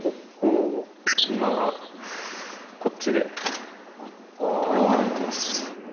今はこっちで投げてます。